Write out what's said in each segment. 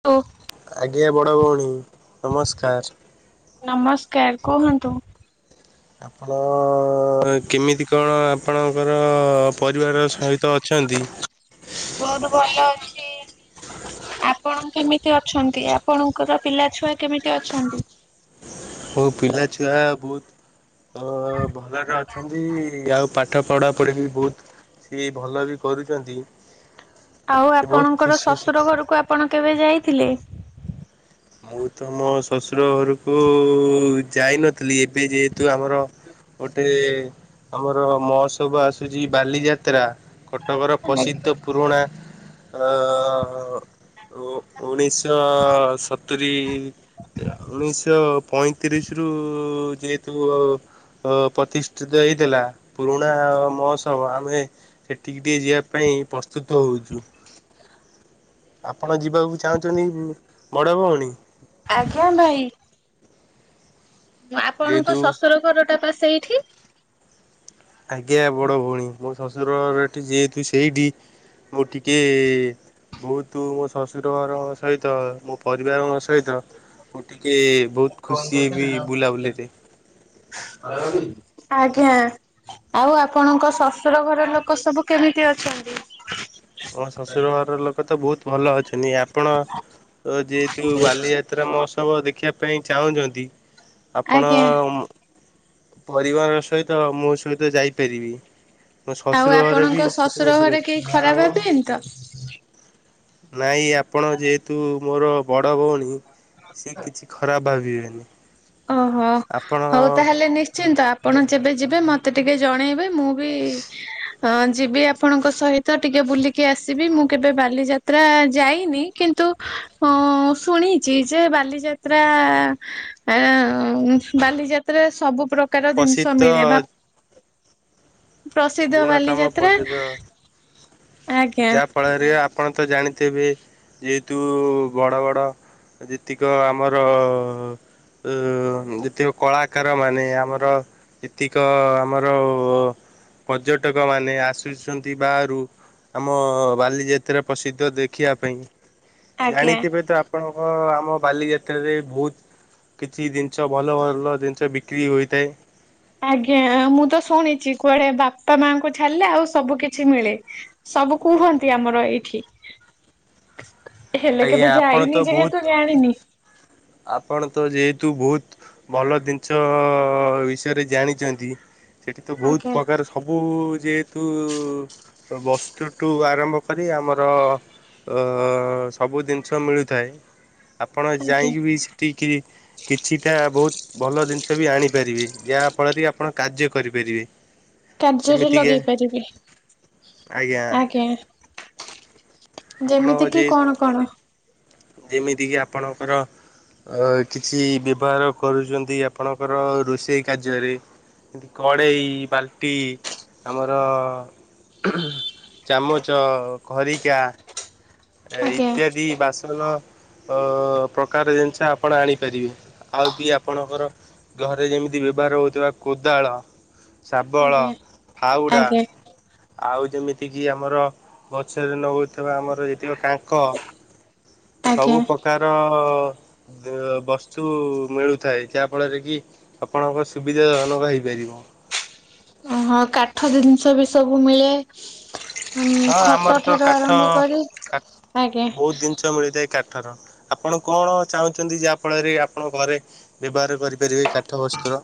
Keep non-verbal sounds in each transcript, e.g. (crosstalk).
ନ୍ତୁ ଆଜ୍ଞା ବଡ ଭଉଣୀ ନମସ୍କାର। ନମସ୍କାର କୁହନ୍ତୁ। ଆପଣ କେମିତି କଣ ଆପଣଙ୍କର ପରିବାର ସହିତ ଅଛନ୍ତି। ବହୁତ ଭଲ ଅଛି। ଆପଣ କେମିତି ଅଛନ୍ତି? ଆପଣଙ୍କର ପିଲା ଛୁଆ କେମିତି ଅଛନ୍ତି? ମୋ ପିଲାଛୁଆ ବହୁତ ଅ ଭଲରେ ଅଛନ୍ତି। ଆଉ ପାଠ ପଢା ପଢି ବି ବହୁତ ସିଏ ଭଲ ବି କରୁଛନ୍ତି। ଆଉ ସେ ବହୁତ ଆପଣଙ୍କର ଖୁସି ଅଛି। ଶ୍ୱଶୁର ଘରକୁ ଆପଣ କେବେ ଯାଇଥିଲେ? ମୁଁ ତ ମୋ ଶ୍ୱଶୁର ଘରକୁ ଯାଇନଥିଲି ଏବେ ଯେହେତୁ ଆମର ଗୋଟେ ଆମର ମହୋତ୍ସବ ଆସୁଛି ବାଲିଯାତ୍ରା। କଟକର ପ୍ରସିଦ୍ଧ ପୁରୁଣା। ଅ ଉଣେଇଶ (unintelligible) ସତୁରୀ ଉଣେଇଶଶହ ପଇଁତିରିଶରୁ ଯେହେତୁ ଅ ପ୍ରତିଷ୍ଠିତ ହେଇଥିଲା ପୁରୁଣା ମହୋତ୍ସବ ଆମେ ସେଠିକି ଟିକେ ଯିବା ପାଇଁ ପ୍ରସ୍ତୁତ ହଉଛୁ। ଆପଣ ଯିବାକୁ ଚାହୁଁଛନ୍ତି ବଡ ଭଉଣୀ? ଆଜ୍ଞା ଭାଇ। ଆପଣଙ୍କ ଯେହେତୁ ଶଶୁର ଘରଟା ବା ସେଇଠି। ଆଜ୍ଞା ବଡ ଭଉଣୀ ମୋ ଶ୍ୱଶୁରରେଠି ଯେହେତୁ ସେଇଠି ମୁଁ ଟିକେ ବହୁତ ମୋ ଶ୍ୱଶୁର ଘର ସହିତ ମୋ ପରିବାର ସହିତ ମୁଁ ଟିକେ ବହୁତ ଖୁସି ହେବି ବୁଲାବୁଲିରେ। ଆଜ୍ଞା। ଆଉ ଆପଣଙ୍କ ଶଶୁର ଘର ଲୋକ ସବୁ କେମିତି ଅଛନ୍ତି? ମୋ ଶ୍ୱଶୁର ଘର ଲୋକ ତ ବହୁତ ଭଲ ଅଛନ୍ତି। ଆପଣ ଯେହେତୁ ବାଲିଯା ତ୍ରା ମହୋତ୍ସବ ଦେଖିବା ପାଇଁ ଚାହୁଁଛନ୍ତି ଆପଣ ଆଜ୍ଞା ପରିବାର ସହିତ ମୋ ସହିତ ଯାଇପାରିବି। ମୋ ଆଉ ଶ୍ୱଶୁର ଘର ଆପଣଙ୍କ ବି ସହିତ ଶ୍ୱଶୁର ମିଶି ଘରେ ପାରିବି। କେହି ଖରାପ ଭାବି ଏନି ତ? ନାଇଁ ଆପଣ ଯେହେତୁ ମୋର ବଡ ଭଉଣୀ ସେ କିଛି ଖରାପ ଭାବିବେନି। ଓହୋ ଆପଣ ହଉ ତାହେଲେ ନିଶ୍ଚିନ୍ତ। ଆପଣ ଯେବେ ଯିବେ ମତେ ଟିକେ ଜଣେଇବେ ମୁଁ ବି ଅ ଯିବି ଆପଣଙ୍କ ସହିତ ଟିକେ ବୁଲିକି ଆସିବି ମୁଁ କେବେ ବାଲିଯା ତ୍ରା ଯାଇନି କିନ୍ତୁ ଶୁଣିଛି ଯେ ବାଲିଯାତ୍ରା ଆଁ ବାଲିଯାତ୍ରାରେ ସବୁପ୍ରକାର ଜିନିଷ ପ୍ରସିଦ୍ଧ ମିଳେ। ବା ପ୍ରସିଦ୍ଧ ପୁରୁଣାତମ ବାଲିଯାତ୍ରା ପର୍ଯ୍ୟଟନ। ଆଜ୍ଞା। ଯା ଫଳରେ ଆପଣ ତ ଜାଣିଥିବେ ଯେହେତୁ ବଡ ବଡ ଯେତିକ ଆମର ଅ ଯେତିକ କଳାକାରମାନେ ଆମର ଏତିକ ଆମର ପର୍ଯ୍ୟଟକମାନେ ଆସୁଛନ୍ତି ବାହାରୁ ଆମ ବାଲିଯାତ୍ରା ପ୍ରସିଦ୍ଧ ଦେଖିବା ପାଇଁ ଆଜ୍ଞା। ଜାଣିଥିବେ ତ ଆପଣଙ୍କ ଆମ ବାଲିଯାତ୍ରାରେ ବହୁତ କିଛି ଜିନିଷ ଭଲ ଭଲ ଜିନିଷ ବିକ୍ରି ହୋଇଥାଏ। ଆଜ୍ଞା ମୁଁ ତ ଶୁଣିଛି କୁଆଡେ ବାପା ମାଙ୍କୁ ଛାଡିଲେ ଆଉ ସବୁ କିଛି ମିଳେ। ସବୁ କୁହନ୍ତି ଆମର ଏଇଠି। ହେଲେ ଆଜ୍ଞା କେବେ ଆପଣ ତ ଯାଇନି ବହୁତ ଯେହେତୁ ଜାଣିନି। ଆପଣ ତ ଯେହେତୁ ବହୁତ ଭଲ ଜିନିଷ ବିଷୟରେ ଜାଣିଛନ୍ତି ସେଠି ତ ବହୁତ ଆଜ୍ଞା। ପ୍ରକାର ସବୁ ଯେହେତୁ ବସ୍ତୁଠୁ ଆରମ୍ଭ କରି ଆମର ଅ ସବୁ ଜିନିଷ ମିଳୁଥାଏ ଆପଣ ଆଜ୍ଞା ଯାଇକି ବି ସେଠିକି କିଛିଟା ବହୁତ ଭଲ ଜିନିଷ ବି ଆଣିପାରିବେ ଯାହା ଫଳରେ କି ଆପଣ କାର୍ଯ୍ୟ କରିପାରିବେ। କାର୍ଯ୍ୟରେ ଯେମିତିକି ଲଗେଇ ପାରିବି ଆଜ୍ଞା। ଯେମିତି କି କଣ କଣ? ଯେମିତି କିି ଆପଣଙ୍କର ଅ କିଛି ବ୍ୟବହାର କରୁଛନ୍ତି ଆପଣଙ୍କର ରୋଷେଇ କାର୍ଯ୍ୟରେ ଏମତି କଡେଇ ବାଲ୍ଟି ତମର ଚାମଚ ଖରିକା ଆଜ୍ଞା ଇତ୍ୟାଦି ବାସନ ଅ ପ୍ରକାର ଜିନିଷ ଆପଣ ଆଣିପାରିବେ ଆଉ ବି ଆପଣଙ୍କର ଘରେ ଯେମିତି ବ୍ୟବହାର ହଉଥିବା କୋଦାଳ ଶାବଳ ଆଜ୍ଞା ଫାଉଡ଼ା। ଆଜ୍ଞା। ଆଉ ଯେମିତି କିି ଆମର ଗଛରେ ନଗଉଥିବା ଆମର ଯେତିକ କାଙ୍କ ସବୁ ଆଜ୍ଞା ପ୍ରକାର ବସ୍ତୁ ମିଳୁଥାଏ ଯାହା ଫଳରେ କି ଆପଣଙ୍କ ସୁବିଧା ଜନକ ହେଇପାରିବ। ହଁ କାଠ ଜିନିଷ ବି ସବୁ ମିଳେ। ଉଁ ହଁ ଆମର ଖଟ ତ ଠାରୁ କାଠ ଆରମ୍ଭ କରି ଆଜ୍ଞା। ଞ୍ଜ ମିଳିଥାଏ କାଠର ଆପଣ କଣ ଚାହୁଁଛନ୍ତି ଯାହା ଫଳରେ ଆପଣ ଘରେ ବ୍ୟବହାର କରିପାରିବେ କାଠ ବସ୍ତୁର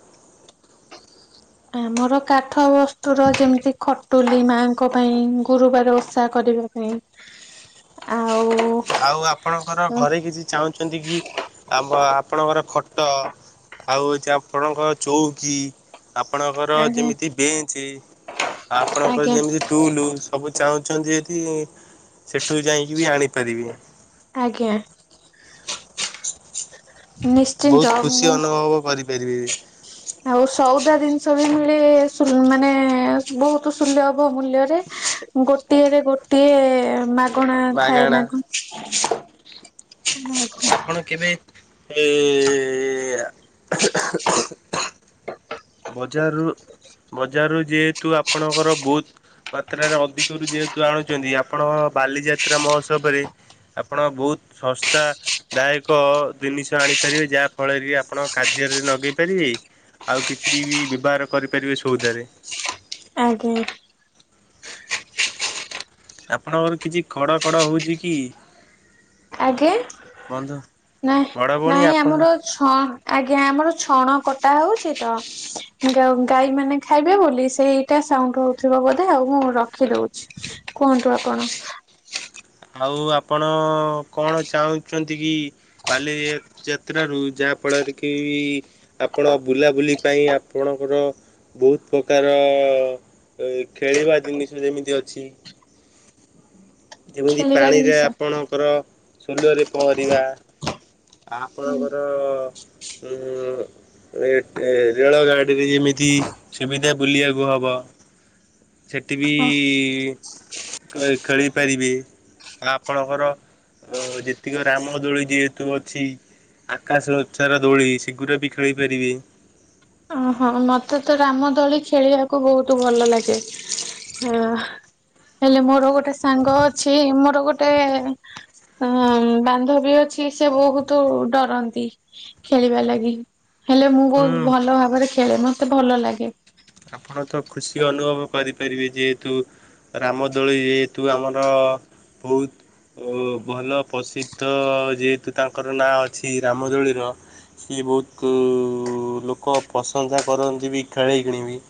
ଆମର କାଠ ବସ୍ତୁର ର ଯେମିତି ଖଟୁଲି ମାଙ୍କ ପାଇଁ ଗୁରୁବାର ଓଷା କରିବା ପାଇଁ ହ ଆଉ ଆଉ ଆପଣଙ୍କର ଘରେ କିଛି ଚାହୁଁଛନ୍ତି କି? ଆପ ଆପଣଙ୍କର ଖଟ ଆଉ ହୋଉଛି ଆପଣଙ୍କ ଚଉକି ଆପଣଙ୍କର ଆଜ୍ଞା ଯେମିତି ବେଞ୍ଚ ଆପଣଙ୍କର ଆଜ୍ଞା ଯେମିତି ଟୁଲ ସବୁ ଚାହୁଁଛନ୍ତି ଯଦି ସେଠୁ ଯାଇକି ବି ଆଣି ଆଜ୍ଞା। ନିଶ୍ଚିନ୍ତ ବହୁତ ଖୁସି ମୁଁ ଅନୁଭବ କରିପାରିବେ। ଆଉ ସଉଦା ଜିନିଷ ବି ମିଳେ ସୁ ମାନେ ବହୁତ ସୁଲଭ ମୂଲ୍ୟରେ। ଗୋଟିଏରେ ଗୋଟିଏ ମାଗଣା ଥାଏ ମାଗଣା ନା କଣ। ଆପଣ କେବେ ଏ ବଜାରରୁ ବଜାରରୁ ଯେହେତୁ ଆପଣଙ୍କର ବୁତ ମାତ୍ରାରେ ଅଧିକରୁ ଯେହେତୁ ଆଣୁଛନ୍ତି ଆପଣ ବାଲିଯାତ୍ରା ମହୋତ୍ସବରେ ଆପଣ ବୁତ ଶସ୍ତା ଦାୟକ ଜିନିଷ ଆଣିପାରିବେ ଯାହା ଫଳରେ କି ଆପଣ କାର୍ଯ୍ୟରେ ନଗେଇ ପାରିବେ। ଆଉ କିଛି ବି ବ୍ୟବହାର କରିପାରିବେ ସଉଦାରେ। ଆଜ୍ଞା ଆପଣଙ୍କର କିଛି ଖଡ଼ ଖଡ଼ ହେଉଛି କି? ଆଗେ ବନ୍ଧୁ ବଡ଼ ନାଇଁ ଭଉଣୀ ନାଇଁ ଆପଣ ଆମର ଛ ଆଜ୍ଞା ଆମର ଛଣ କଟା ହଉଛି ତ। ଗ ଗାଈ ମାନେ ଖାଇବେ ବୋଲି ସେଇଟା ସାଉଣ୍ଡ ହଉଥିବ ବୋଧେ ଆଉ ମୁଁ ରଖିଦଉଛି। କୁହନ୍ତୁ ଆପଣ ଆଉ ଆପଣ କଣ ଚାହୁଁଛନ୍ତି କି? ବାଲି ଯାତ୍ର ରୁ ଯାହା ଫଳରେ କି ଆପଣ ବୁଲାବୁଲି ପାଇଁ ଆପଣଙ୍କର ବହୁତ ପ୍ରକାର ଖେଳିବା ଜିନିଷ ଯେମିତି ଅଛି। ଯେମିତି ଖେଳିବା ପାଣିରେ ଜିନିଷ ଆପଣଙ୍କର ସୋଲରେ ପହଁରିବା ହୁଁ ଆପଣଙ୍କର ଉଁ ଏ ଟେ ରେଳ ଗାଡ଼ିରେ ଯେମିତି ସୁବିଧା ବୁଲିବାକୁ ହବ। ସେଠିବି କଏ ଖେଳି ପାରିବେ ଆ ଆପଣଙ୍କର ଆ ଯେତିକ ରାମ ଦୋଳି ଯେହେତୁ ଅଛି। ଆକାଶ ଓଚାର ଦୋଳି ସେଗୁରା ବି ଖେଳି ପାରିବେ। ଓହୋ ମତେ ତ ରାମ ଦୋଳି ଖେଳିବାକୁ ବହୁତ ଭଲ ଲାଗେ ହଁ। ହେଲେ ମୋର ଗୋଟେ ସାଙ୍ଗ ଅଛି ମୋର ଗୋଟେ ଅ ବାନ୍ଧବୀ ଅଛି ସେ ବହୁତୁ ଡ଼ରନ୍ତି। ଖେଳିବା ଲାଗି ହେଲେ ମୁଁ ବହୁ ହୁଁ ଭଲ ଭାବରେ ଖେଳେ ମତେ ଭଲ ଲାଗେ। ଆପଣ ତ ଖୁସି ଅନୁଭବ କରିପାରିବେ ଯେଏତୁ ରାମଦୋଳି ଏତୁ ଆମର ବୋହୁତ ଓ ଭଲ ପସିଦ୍ଧ ଯେହେତୁ ତାଙ୍କର ନାଁ ଅଛି ରାମଦୋଳିର। ସିଏ ବୋହୁତୁ ଲୋକ ପ୍ରଶଂସା କରନ୍ତି ବି ଖେଳେଇ କିିଣି ବିି।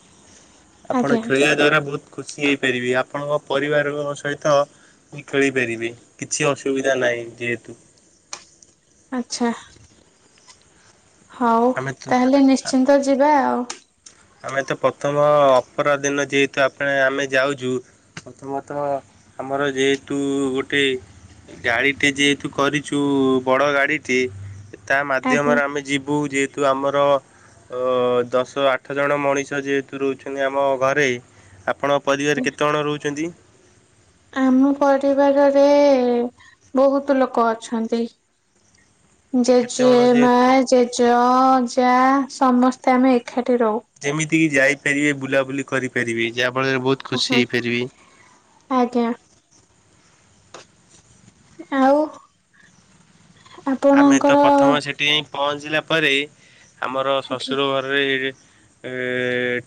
ଆପଣ ଆଜ୍ଞା ଖେଳିବା ଦ୍ଵାରା ବହୁତ ଖୁସି ହେଇପାରିବେ ଆପଣଙ୍କ ପରିବାରଙ୍କ ସହିତ। ବି ଖେଳି ପାରିବେ କିଛି ଅସୁବିଧା ନାଇଁ ଯେହେତୁ। ଆଚ୍ଛା। ହଉ ଆମେ ତ ତାହେଲେ ନିଶ୍ଚିନ୍ତ ଯିବା ଆଉ। ଆମେ ତ ପଥମ ଅପରାଧିନ ଯେହେତୁ ଆପେ ଆମେ ଯାଉଛୁ ପ୍ରଥମ ତଃ ଆମର ଯେହେତୁ ଗୋଟେ ଗାଡ଼ିଟେ ଯେହେତୁ କରିଛୁ ବଡ ଗାଡ଼ିଟେ ତା ଆଜ୍ଞା ମାଧ୍ୟମରେ ଆମେ ଯିବୁ ଯେହେତୁ ଆମର ଅ ଦଶ ଆ ଆଠ ଜଣ ମଣିଷ ଯେହେତୁ ରହୁଛନ୍ତି ଆମ ଘରେ ଆପଣ ପରିବାରେ କେତେଜଣ ରହୁଛନ୍ତି? ଆମ ପରିବାରରେ ବହୁତୁ ଲୋକ ଅଛନ୍ତି। କେତେଜଣ ଜେଜେମା ଯେହେତୁ ଜେଜ ଅଜା ସମସ୍ତେ ଆମେ ଏକାଠି ରହୁ। ଯେମିତି କିି ଯାଇପାରିବେ ବୁଲାବୁଲି କରିପାରିବେ ଯାହା ଫଳରେ ବହୁ ଓହୋ ଆଜ୍ଞା। ଆଉ ଆମେ ତ ଆପଣଙ୍କର ପ୍ରଥମ ସେଠି ଯାଇ ପହଞ୍ଚିଲା ପରେ ଆମର ଆଜ୍ଞା ଶଶୁର ଘରରେ ଏ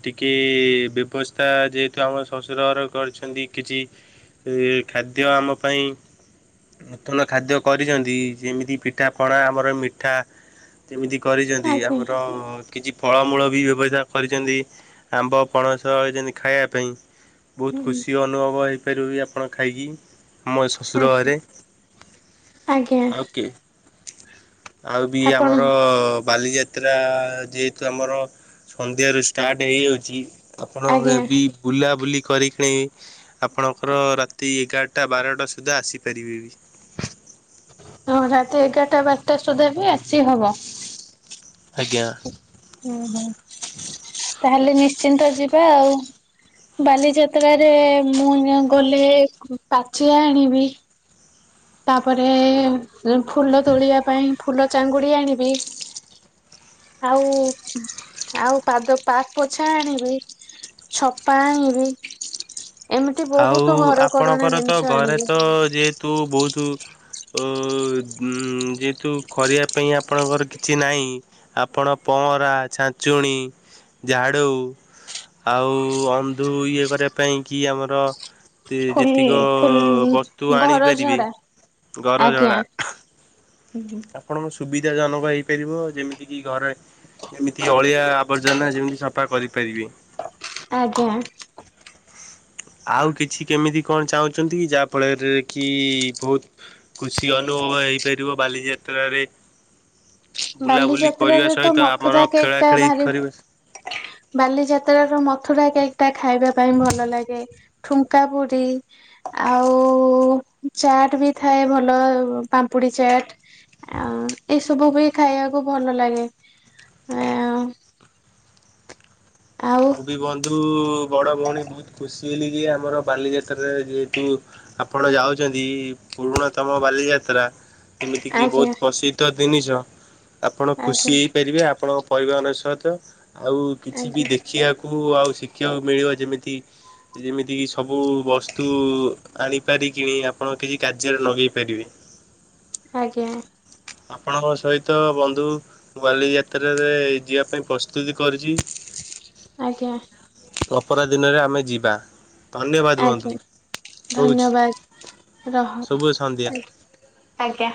ଟିକି ବ୍ୟବସ୍ଥା ଯେହେତୁ ଆମ ଶଶୁର ହର କରିଛନ୍ତି କିଛି ଏ ଖାଦ୍ୟ ଆମ ପାଇଁ ନୂତନ ଖାଦ୍ୟ କରିଛନ୍ତି ଯେମିତି ପିଠାପଣା ଆମର ମିଠା ଯେମିତି କରିଛନ୍ତି ଆଜ୍ଞା ଆମର କିଛି ଫଳମୂଳ ବି ବ୍ୟବସ୍ଥା କରିଛନ୍ତି ଆମ୍ବ ପଣସ ଏ ଯେମିତି ଖାଇବା ପାଇଁ। ବହୁତୁ ହୁଁ ଖୁସି ଅନୁଭବ ହେଇପାରିବୁ ବି ଆପଣ ଖାଇକି। ମୋ ଶଶୁର ଆଜ୍ଞା ଘରେ ଆଜ୍ଞା ଆଉକେ ଆଉ ବି ଆପଣ ଆମର ବାଲିଯାତ୍ ତ୍ରା ଯେହେତୁ ଆମର ସନ୍ଧ୍ୟାରୁ ଷ୍ଟାର୍ଟ ହେଇଯାଉଛି ଆପଣ ଏ ଆଜ୍ଞା ବି ବୁଲାବୁଲି କରିି କିଣେଇ ଆପଣଙ୍କର ରାତି ଏଗାରଟା ବାରଟା ସୁଦ୍ଧା ଆସିପାରିବେ ବି। ତ ରାତି ଏଗାରଟା ବାରଟା ସୁଦ୍ଧା ବି ଆସି ହବ? ଆଜ୍ଞା। ଉଁ ହୁ ତାହେଲେ ନିଶ୍ଚିନ୍ତ ଯିବା ଆଉ। ବାଲିଯାତ୍ରାରେ ମୁଁ ନିଅ ଗଲେ ପାଛିଆ ଆଣିବି। ତାପରେ ଫୁଲ ତୋଳିବା ପାଇଁ ଫୁଲ ଚାଙ୍ଗୁଡ଼ି ଆଣିବି। ଆଉ ଆଉ ପାଦ ପାପୋଛା ଆଣିବି। ଛପା ଆଣିବି। ଏମିତି ଆଉ ବହୁତ ଘରକରଣା ଆପଣଙ୍କର ତ ଜିନିଷ ଘରେ ଆଣିବି। ତ ଯେହେତୁ ବହୁତୁ ଓ ଉଁ ଯେହେତୁ କରିବା ପାଇଁ ଆପଣଙ୍କର କିଛି ନାଇଁ। ଆପଣ ପହଁରା, ଛାଞ୍ଚୁଣିୀ, ଝାଡ଼ୁ, ଆଉ ଅନ୍ଧୁ, ଇଏ କରିବା ପାଇଁ କି ଆମର, ଯେତିକ ଫୁଲ୍ ଫୁଲ୍ ବସ୍ତୁ ଆଣି ଘର ପାରିବେ। ଝରା ଘର ଆଜ୍ଞା। ଝଡ଼ା, ହୁଁ, ହୁଁ। ଆପଣଙ୍କ ସୁବିଧା ଜନକ ହେଇପାରିବ। ଯେମିତି କି, ଘରେ ଯେମିତି ଅଳିଆ, ଆବର୍ଜନା, ଯେମିତି ସଫା କରିପାରିବେ। ଆଜ୍ଞା। ଆଉ କିଛି କେମିତି କଣ ଚାହୁଁଛନ୍ତି? ଯାହା ଫଳରେ କି ବହୁତ, ଖୁସି ଅନୁଭବ ହେଇପାରିବ, ବାଲିଯାତ୍ରାରେ। ବୁଲାବୁଲି କରିବା ବାଲିଯାତ୍ରାରେ ତ, ସହିତ ଆମର ମଥୁରା କେକ୍ ଖେଳା ଟା ଖେଳି ଭାରି, କରିବା ବାଲିଯାତ୍ରାର, ମଥୁରା କେକ୍ ଟା ଖାଇବା ପାଇଁ ଭଲ ଲାଗେ। ଠୁଙ୍କା ପୁରୀ, ଆଉ ଚାଟ ବି ଥାଏ ଭଲ। ପାମ୍ପୁଡି ଚାଟ, ଆ, ଏଇସବୁ ବି, ଖାଇବାକୁ ଭଲ ଲାଗେ। ଆ, ମୁଁ ବି ବନ୍ଧୁ, ବଡ଼ ଭଉଣୀ ବହୁତ ଖୁସି ହେଲି ଯେ, ଆମର ବାଲିଯାତ୍ରାରେ ଯେହେତୁ, ଆପଣ ଯାଉଛନ୍ତି। ପୁରୁଣା ତମ ବାଲିଯାତ୍ରା, ଯେମିତି କିି, ଆଜ୍ଞା ବହୁତ ପ୍ରସିଦ୍ଧ ଦିନିଷ। ଆପଣ ଆଜ୍ଞା ଖୁସି ହେଇପାରିବେ। ଆପଣ, ପରିବହନ ସହିତ, ଆଉ କିଛି ବି ଆଜ୍ଞା ଦେଖିବାକୁ, ଆଉ ଶିଖିବାକୁ ମିଳିବ ଯେମିତି। ଯେମିତିକି, ସବୁ ବସ୍ତୁ ଆଣିପାରିକିଣି, ଆପଣ କିଛି କାର୍ଯ୍ୟରେ, ଲଗେଇ ପାରିବେ। ଆଜ୍ଞା। ଆପଣଙ୍କ ସହିତ ବନ୍ଧୁ, ବାଲି ଯାତ୍ରାରେ, ଯିବା ପାଇଁ ପ୍ରସ୍ତୁତି କରିଛି। ଆଜ୍ଞା। ଅପରାଧିନରେ, ଆମେ ଯିବା। ଧନ୍ୟବାଦ ବନ୍ଧୁ। ଆଜ୍ଞା ରହୁଛି, ଧନ୍ୟବାଦ ରହ ଶୁଭ ସନ୍ଧ୍ୟା। ଆଜ୍ଞା।